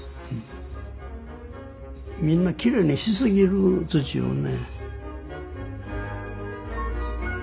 みんなきれいにしすぎる土をね。